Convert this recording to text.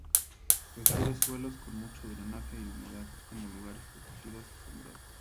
Prefiere suelos con mucho drenaje y humedad, así como lugares protegidos y sombreados.